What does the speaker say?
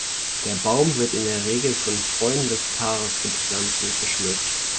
Der Baum wird in der Regel von Freunden des Paares gepflanzt und geschmückt.